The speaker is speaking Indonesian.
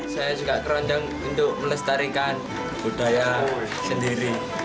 saya juga keroncong untuk melestarikan budaya sendiri